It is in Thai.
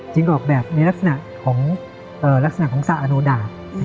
จริงกว่าออกแบบในลักษณะของสระอนุดา